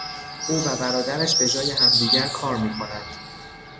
او و برادرش به جای همدیگر کار میکنند.